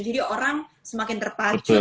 jadi orang semakin terpacu